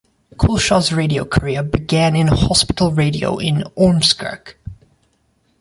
Culshaw's radio career began in hospital radio in Ormskirk.